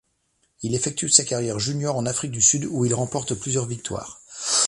Il effectue sa carrière junior en Afrique du Sud où il remporte plusieurs victoires.